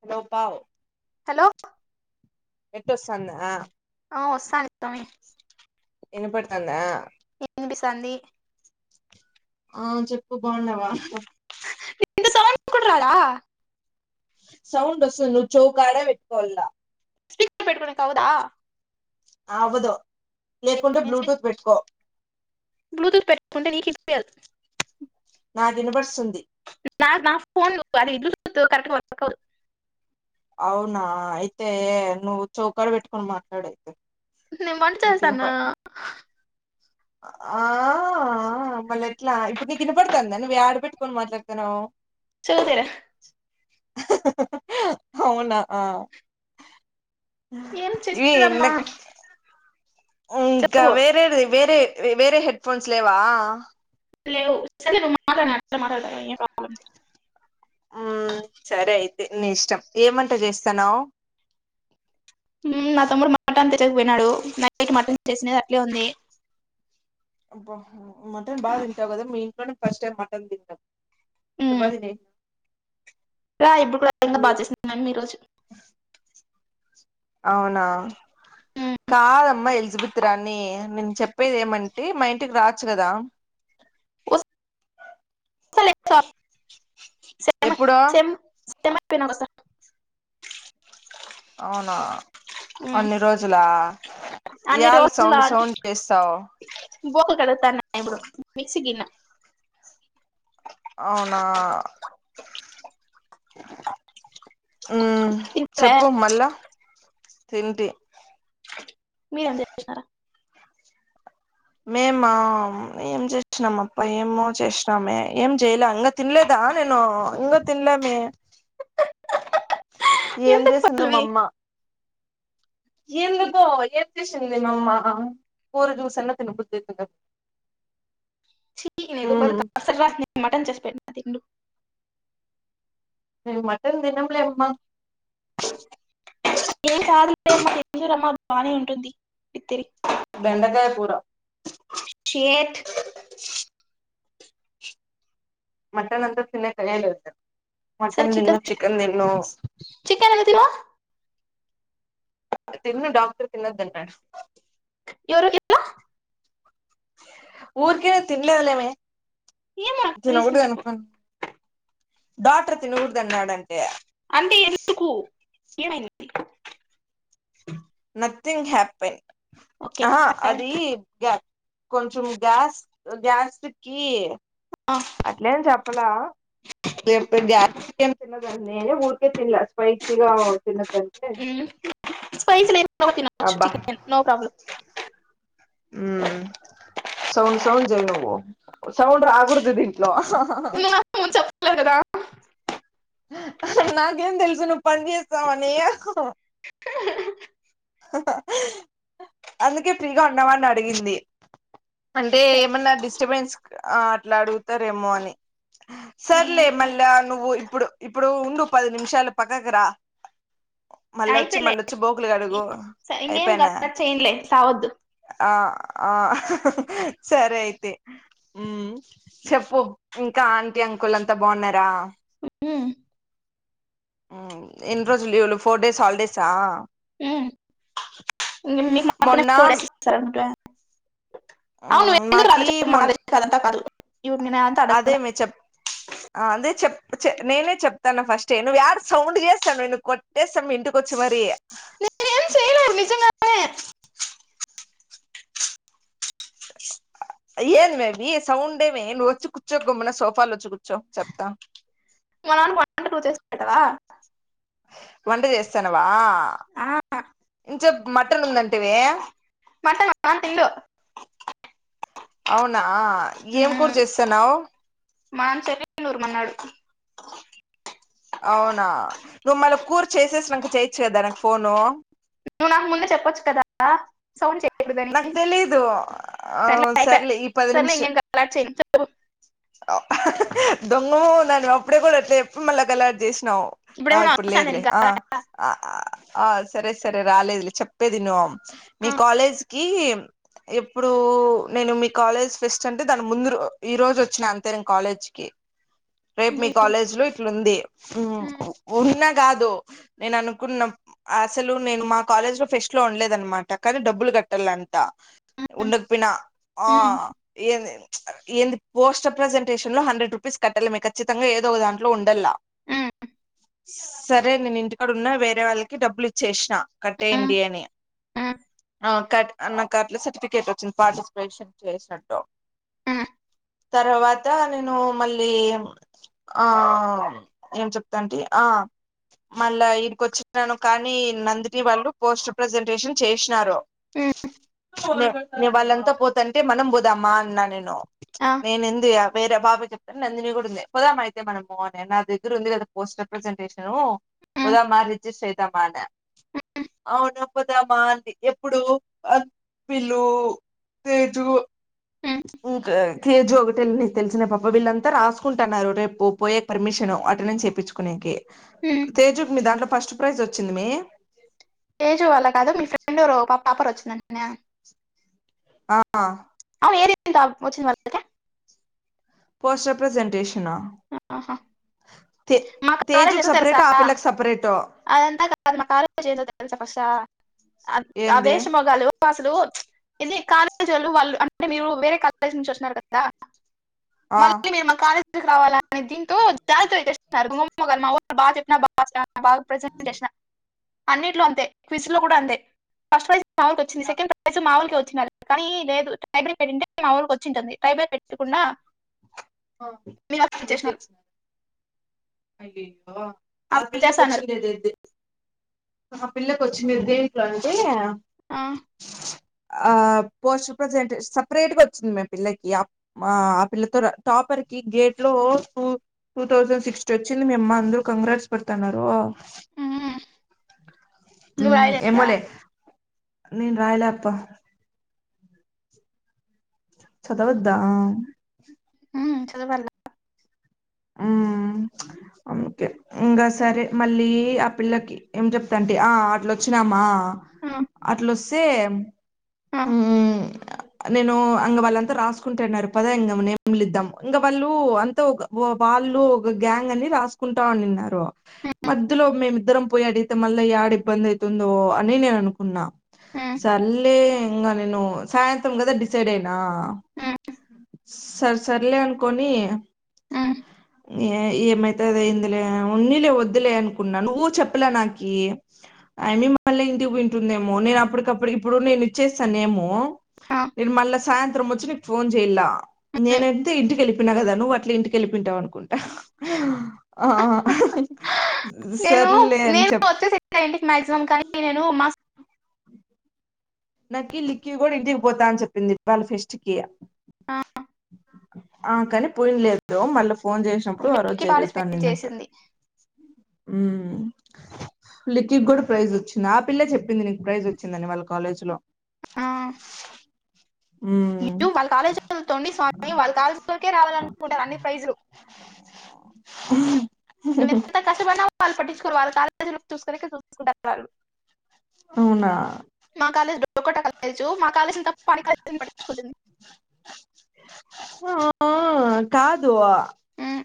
Hello పావ్ hello net వస్తాందా ఆ వస్తాంది [unintelligible] ఇనపడుతందా ఇనిపిస్తాంది ఆ చెప్పు బావున్నావా సౌండ్ కూడా రాలే సౌండ్ వస్తుంది నువ్వు చెవుకాడె పెట్టుకోవలన. స్పీకర్ పోటుకునే కావుదా ఆవ్వదు లేకుంటే బ్లూటూత్ పెట్టుకో బ్లూటూత్ పెట్టుకుంటే నీకు ఇనిపియదు నాకు వినబడుస్తుంది నా ఫోన్ అది బ్లూటూత్ కరక్ట్ వర్క్అవదు అవునా అయితే నువ్ చౌకడ పెట్టు కోని మాట్లాడు అయితే నేను వంట నీకు వినప చేసానా ఆ మళ్ళీ ఎట్లా ఇప్పుడు నీకు వినపడతాంద నువ్వు ఏడ పెట్టుకొని మాట్లాడుతున్నావు చూసిరా హుహుహు అవునా ఆ ఏం [unintelligible] ఈ చేసేదమ్మా ఇళ్లకు ఇంకా చెప్పు వేరే ఏది వేరే వేరే హెడ్ ఫోన్స్ లేవా లేవు సరే ను మా మాట ఏ కా ని ఇష్టం ఏం వంట చేస్తాన్నావ్ ఉ నా తమ్ముడు మటన్ తెచ్చేకి పోయినాడు నైట్ మటన్ తెసినది అట్లే ఉంది. అ మటన్ బా తింటావు కదా మీ ఇంట్లోనే ఫస్ట్ టైం మటన్ తింటాం. మ్మ్, చెప్పదినే రా ఇప్పుడు కూడా రంగా మీ బాగా చేస్తుండి మీ రోజు. అవునా మ్మ్, కాదమ్మా ఎలిజబిత్ రాని నేను చెప్పేది ఏమంటే మా ఇంటికి రాచ్చు కదా. వ లే [unintelligible] సేన ఎప్పుడో సేమ్ ఏమై పోనావు అసలు అవునా మ్మ్, అన్ని రోజులా అన్ని ఏళ సౌండ్ రోజులు సౌండ్ చేస్తావు. [unintelligible] బోకులు కడుగుతాన్నే ఇప్పుడు మిక్సిగిన్నె అవునా ఉ తింటారా చెప్పు మళ్ళా తింటి మీ ఎంతా చేన్నారా మేము ఏం చేసినాం అప్ప ఏమో చేసినామే ఏం చేయలే. ఇ తినలేదా నేను ఇంకా తినలేమి ఏం ఎందుకు చేసింద మా పల్లవి అమ్మ. ఎందుకో ఏ చేసింది మ అమ్మా కూర జూసిన్నా తినబుత్తియితలే చీ ఏ కస రాత్ మటన్ చేస్ అ [unintelligible] మటన్ తినంలే అమ్మా అజరమ్మ బాగానే ఉంటుంది పతిరి బెండకాయకూర షెట్ [unintelligible] మటన్ అంత తినేకాయ్యలే అసలు మటన్ తిన్ను, చికెన్ తిన్ను. చికెన్ అనేది తినవా? తిన్ను డాక్టర్ తినద్దు అంటాడు. ఎవరు ఎలా ఊరుకేనా తినలేదులేమే. ఏమో నాకు దీను ఒకటే రీజన్ చెప్పు అనుక డాక్టర్ తినకూడాదు వద్దున్నాడంటే అంటే ఎందుకు ఏమైంది నథింగ్ హ్యాపెన్ ఓకే ఆ అది గ కొంచెం గ్యాస్ గ్యాస్ సుకి అట్లేం చెప్పలా చెప్పితే గ్యాస్ తిన్నదా అండి నేనే ఊర్కేన్ లా పైతిగా తిన్నదంటే పైస్ లేద్ తో తినోచ్చు అబ్బా నో ప్రాబ్లం ఉమ్ సౌండ్ సౌండ్ జై నువ్వు సౌండ్ రాగోడ్ దు దీంట్లో ఆ ప్పిన కదా నాకేం తెలుసు నువ్వు పని చేస్తావ్ అని అందుకే ఫ్రీగా ఉన్నవ అడిగింది అంటే సరే ఏమన్నా డిస్టర్బెన్స్ గ ఆ అట్లా అడుగుతారేమో అని సర్లే ఏం మళ్ళ నువ్వు ఇప్పుడు ఇప్పుడు ఉండు పది నిమిషాలు పక్కకు రా మళ్ళ వచ్చి అయిపోయలే మళ్ళొచ్చి బోకులు కడుగు ఇం- సరే ఇంకేం అయిపోయి గలట్ చేయండిలే సావద్దు ఆ ఆ సరే అయితే చెప్పు ఇంకా ఆంటీ అంకుల్ అంతా బాగున్నారా అ అ ఎన్ని రోజులు లివ్ లు ఫోర్ డేస్ హాల్ డేసా ఇ మీకు మొన్న మాత్రమడ స అ అవునువ్వ మ్మ్ ఎందుకు రాలేదు చెప్పు మాకే అది చేప్పు అదంత కాదు ఇవి నేను అంతా అదే అడగల మీ చెప్ అదే చెప్ నేనే చెప్తాను ఫస్ట్ నువ్వుా యాడ సౌండ్ చేస్తాను నువ కొట్టేసి మీ ఇంటికొచ్చి మరి నేనేం చేయలేదు నిజంగానే ఏన్ మేబి సౌండే మే వచ్చు కుచ్చ గుమ్మన సోఫాల్ వచ్చి కుచ్చు మనం అంటదోచేస్ కుంట వా వంట చేస్తానువా ఆ చెప్ మటనుందండి మటన్ మామ తిండు అవును ఆ ఏం కూర ఉమ్, చేస్తాన్నావు మా నాన్న చెప్పి నూరుమన్నాడు అవునా నువ్వు మళ్ళ కూర్ చేసేసినంక చేయచ్చు కదా నాకు ఫోను నువ్వు నాకు ముందే చెప్పొచ్చు కదా సౌండ్ చేయి నాకు తెలిదు ఆ అయిపోయా సర్లే ఈ పది సర్లే నిమిష ఇంకేం గలాట్ చేయను చెప్పు దొంగ మొఖం దానివి అప్పుడే కూడా అట్లే చెప్పి మళ్ళా గలాటా చేసి నవ్ ఆ ఇప్పుడేమో నా ఇప్పుడు అవసరం లేదు లేదులే ఆ గలాటా? ఆ సరే సరే రాలేదులే చెప్పేది ఇను ఆ, మీ కాలేజ్ కి ఎప్పుడు నేను మీ కాలేజ్ ఫెస్ట్ అంటే దాని ముందురో ఈ రోజు వ వచ్చిన అంతే నేను కాలేజీకి రేపు మీ నువ్వు కాలేజీ లో ఇట్లుంది ఉమ్, ఉన్న కాదు నేను అనుకున్న అసలు నేను మా కాలేజ్ లో ఫెస్ట్ లో ఉండలేదన్నమాట కానీ డబ్బులు కట్టలం ట ఉమ్, ఉండకపోయిన ఆ ఉమ్, ఏంది ఏంది పోస్టర్ ప్రజెంటేషన్ లో హండ్రెడ్ రూపీస్ కట్టాలమే ఖచ్చితంగా ఏదో ఒ దాంట్లో ఉండల్లా ఉమ్, సరే నేను ఇంటికాడ ఉన్నా వేరే వాళ్ళకి డబ్బులు ఇచ్చేసిన ఉమ్, కట్టేయండి అని ఆ కట్ అన్న కట్ల లో సర్టిఫికేట్ వచ్చింది పాటి ఆపరేషన్ చేసినట్టో ఆ తర్వాత నేను మళ్ళీ ఆ ఏం చెప్తాంటి ఆ మళ్ళా ఇడికి వచ్చినాను కానీ నందిని వాళ్ళు పోస్టర్ ప్రజెంటేషన్ చేసినారు ఇగ వాళ్ళంతా పోతాంటే మనం పోదామా అన్నా నేను ఆ, నేనెందు యా వేర పాప చెప్తే నందిని కూడా ఉంది పోదామా అయితే మనము అని నా దగ్గర ఉంది కదా పోస్టర్ ప్రజెంటేషను ఉమ్, పోదామా రిజిస్టర్ అయిదామా అనే ఉమ్, అవునా పోదామా అంటి ఎప్పుడు విల్లు తేజు ఉమ్, ఇంకా తేజు ఒకటెల్లి తెలిసిన పాప వీళ్ళంతా రాసుకుంటన్నారు రేపు పోయేకి పర్మిషను అటెండెన్స్ ఎపించుకోనేకి ఉమ్. తేజుకి మీ దాంట్లో ఫస్ట్ ప్రైజ్ వచ్చింది మే తేజు వాళ్ళ కాద మీ ఫ్రెండ్ ఎవరో పాప టాపర్ వచ్చిందంటనే ఆ పేరు ఎంత వచ్చింది వాల్ల అక్కకి పోస్టర్ ప్రజెంటేషన్ ఆహా మాకు కాలేజ్ తేజుకు ఏదో తెలుసా సపరేటో ఆ పిల్లకి సపరేటో అదంతా కాదు మా కాలేజ్ ఏదో తెలుసా ఫస్టు ఆ ఏంది వేస్ట్ మొగాలు అసలు ఏంది కాలేజ్ వాళ్ళు అంటే మీరు వేరే కాలేజ్ నుంచి వచ్చినారు కదా ఆ మళ్ళీ మీరు మా కాలేజ్ రావాలని దీంతో జాగ్రత్తగా [unintelligible] గారు మా వాళ్ళు బా చెప్పినా బాగా బాగా ప్రజెంట్ చేసిన అన్నిట్లో అంతే క్విజ్లో కూడా అంతే ఫస్ట్ ప్రైజ్ మావోళ్ళకి వచ్చింది. సెకండ్ ప్రైజ్ మావోళ్ళకే వచ్చినాది కానీ లేదు టైబర్ పెట్టింటే మావోళ్లకు వచ్చింటది టైబర్ పెట్టకుండా హా మీరు చేసిన డీటైల్స్ ఈ ఆ అప్పుడు పిల్లకి చేస్తా అన్నారు వచ్చింది ఏదైతే ఆ పిల్లకి వచ్చి దేంట్లో అంటే ఆ ఆ పోస్ట్ ప్రజెంటే సపరేట్గా వచ్చింది ఆ పిల్లకి మా ఆ పిల్లతో టాపర్కి గేట్లో టూ టూ థౌసండ్ సిక్స్ వచ్చింది మేమ్మ అందరు కంగ్రాట్ల్స్ పెడుతున్నారు. హ్మ్ హ్మ్ ఏమోలే నేన్ రాయలే అప్ప చదవద్దా మ్ చదవాలా మ్ ఒకే ఇంకా సరే మళ్ళీ ఆ పిల్లకి ఏం చెప్తాంతాటి ఆ అట్లొచ్చినామా అట్లొస్తే మ్ అ నేను ఇంగ వాళ్ళంతా రాసుకుంటున్నారు పద ఇ నేమ్లు ఇద్దాం ఇంకా వాళ్ళు అంతా ఒక వాళ్ళు ఒక గ్యాంగ్ అని రాసుకుంటా ఉన్నిన్నారు. మధ్యలో మేమిద్దరం పోయి అడిగితే మళ్ళీ ఏడ ఇబ్బందయితుందో అని నేను అనుకున్నా ఉమ్, సర్లే ఇంకా నేను సాయంత్రం కదా డిసైడ్ అయినా ఉమ్, సర్ సర్లే అనుకోని హ్ ఏ ఏమైతె అది అయిందిలే ఉన్నిలే వద్దులే అనుకున్నాను నువ్వు చెప్పలే నాకి అమి మళ్ళీ ఇంటికి వింటుందేమో నేను అప్పటికప్పటికి ఇప్పుడు నేను ఇచ్చేస్తానుమో ఆ, నేను మళ్ళ సాయం వచ్చి ఫోన్ చెయల ఉమ్. నేనైతే ఇంటికి వెళ్లిపోయిన కదా ను అట్ల ఇం వెళ్ళిపోయి ఉంటవ్ అనుకుంటా ఆ- నేను సర్లే అని నేను చెప్ వచ్చే ఇంటికి ఎగ్జామ్ కానీ నేను మా నాకి లిక్కి గుడా ఇంటికి పోతా అని చెప్పింది వాళ్ళ ఫెస్ట్కి ఆ, ఆ కానీ పోయినలేదు మళ్ళీ ఫోన్ చేసినప్పుడు ఆ రోజు వెక్కి పార్టిసిపేట్ జరుగుతానుందంట చేసింది ఉమ్ లక్కీక్ గుడా ప్రైజ్ వచ్చింది. ఆ పిల్లే చెప్పింది నీకు ప్రైజ్ వచ్చిందని వాళ్ళ కాలేజ్లో ఆ ఉమ్ ఇటు వాళ్ళ కాలేజీల తోని స్వామి వాళ్ళ కాలేజీలోకే రావాలనుకుంటారు అన్ని ప్రైజులు నువ్ ఎంత కష్టపడిన వాళ్ళు పట్టించుకోరు వారు కాలేజీ చూసుకునే చూసుకుంటానారు అవునా మా కాలేజ్ డొకోట కాలేజ్ మా కాలేజ్ తక్ పని కతం పట్టించుకోలేదు ఆ కాదు ఆ ఉమ్,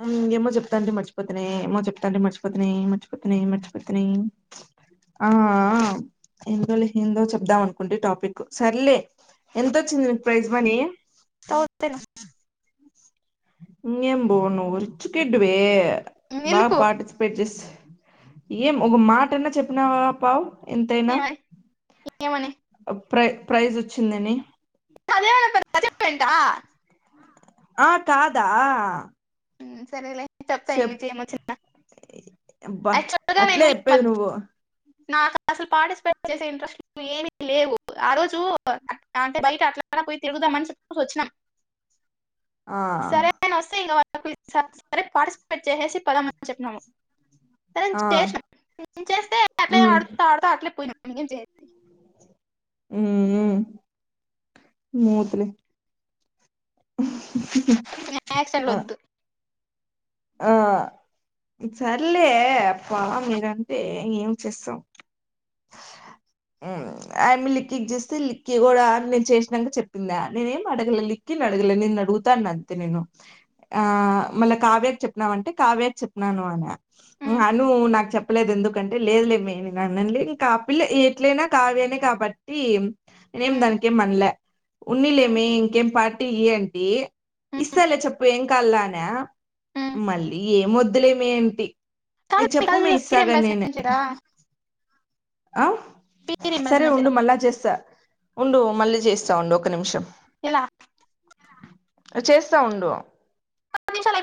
అం ఏమో చెప్తా అంటి మర్చిపోతనే ఏమో చెప్తా అంటి మర్చిపోతనే మర్చిపోతనే మర్చిపోతనే ఆ ఏందో లే ఏందో చెప్దాం అనుకోండి టాపిక్ సర్లే ఎంత వచ్చింది నీకు ప్రైస్ మనీ తతినా నేను పోను రిచ్ కిడ్ వేర్ బా నిలుపు పార్టిసిపేట్ జెస్ ఏం ఒక మాటన్నా చెప్పినావా పావు ఎంతైనా ఏవై ఏమోనే ప్రై ప్రైజ్ వచ్చిందని తది ఏమన్నా తది చెప్పిండా ఆ కాదా ఉ సరేలే చెప్పతా ఈ మీంచి ఏమ్ వచ్చిందా ఏంప అట్లే ఏప్పేది నువ్వు నాకు అసలు పార్టిసిపేట్ చేసే ఇంట్రెస్ట్ ఏమి లేవు ఆ రోజు అంటే బయట అట్లా పోయి తిరుగుదామని చెప్పేసి వచ్చినాం ఆ సరే న వస్తా ఇంగ వర్ సరే పార్టిసిపేట్ చేసేసి పదమని చెప్పిన్నాము సరే నిన్ ఆ చేస నిన్ చేస్తే అట్లే ఉమ్ ఆడ్ తా అట్లే పోయి అ చేతి ఉ మూత్ లే [inaudible] నక్సార్ ఆ వద్దు ఆ సర్లే అప్ప మీరంటే ఏం చేస్తాం ఉ ఆయ మీ లిక్క్కీకి చూస్తే లిక్కి కూడా నేను చేసినాక చెప్పిందా నేనేమి అడగలే లిక్కిని అడగలే నిన్ను అడుగుతాన్న అంతే నేను ఆ మళ్ళా కావ్యకి చెప్పినవ అంటే కావ్యకి చెప్పినను అన ఉమ్, అను నాకు చెప్పలేదు ఎందుకంటే లేదు లేమే నండి కాపిల్ల ఎట్లైనా కావ్యానే కాబట్టి ఇనేం ఉమ్, దానకేం మనలే ఉమ్, ఉన్నలేమే ఇంకేం పాట్ టి న్ టి ఉమ్, ఇస్తలే చెప్పు ఏం కాల్లా న ఉమ్. మళ్ళీ ఏ వద్దులేమి ఏంటి ఏ చెప్పు కాదు మీ ఫీర్ ఇస్తాగాని నీనే ఎంబాసిమెంట్ లేదా ఆ ఫీర్ సరే ఎంబాసిమెంట్ లేదా ఉండు మళ్ళా చేస్తా ఉండు మళ్ళీ చేస్తామండి ఒక నిమిషం ఇలా చేస్తా ఉండు పది నిమిషాలు ఐపొయింది